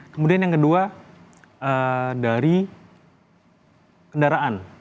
kemudian yang kedua dari kendaraan